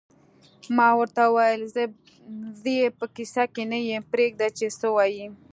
ما ورته وویل: زه یې په کیسه کې نه یم، پرېږده چې څه وایې.